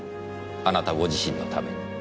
あなたご自身のために。